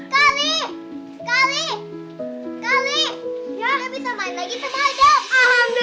kali kali kali aku bisa main lagi sama adam